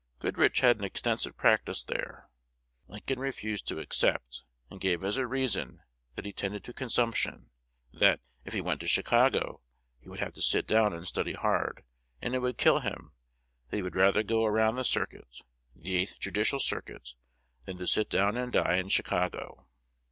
Goodrich had an extensive practice there. Lincoln refused to accept, and gave as a reason, that he tended to consumption; that, if he went to Chicago, he would have to sit down and study hard, and it would kill him; that he would rather go around the circuit the Eighth Judicial Circuit than to sit down and die in Chicago."